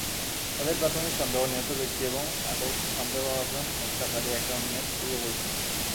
তাদের প্রাথমিক সন্দেহ, নিহত ব্যক্তি এবং আটক সন্দেহভাজন হত্যাকারী একে অন্যের পূর্বপরিচিত।